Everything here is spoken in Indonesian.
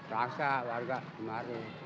raksa warga kemari